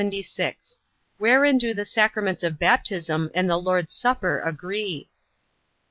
Wherein do the sacraments of baptism and the Lord's supper agree?